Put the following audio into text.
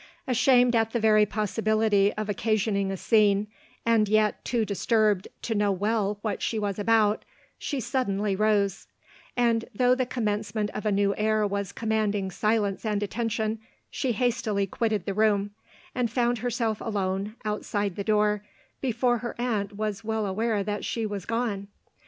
Ashamed of the very possibility of occasioning a scene, and yet too disturbed to know well what she was about, she suddenly rose, and though the com mencement of a new air was commanding silence and attention, Bhe hastily quitted the room, and found herself alone, outside the door, before her aunt was well aware that she was gone.